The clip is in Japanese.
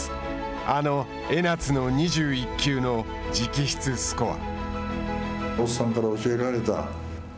あの江夏の２１球の直筆スコア。